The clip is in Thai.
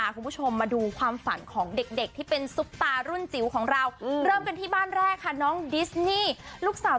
ก็จะเผาได้อยู่เพราะว่า